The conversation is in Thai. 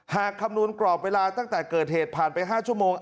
คำนวณกรอบเวลาตั้งแต่เกิดเหตุผ่านไป๕ชั่วโมง